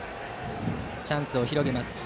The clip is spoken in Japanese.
チャンスを広げます。